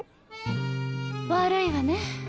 悪いわね。